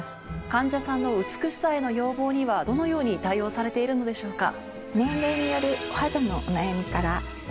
患者さんの美しさへの要望にはどのように対応されているのでしょうか？